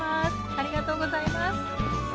ありがとうございます。